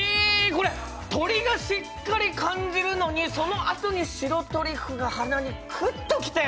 これ、鶏をしっかり感じるのに、そのあとに白トリュフが鼻にクッと来て。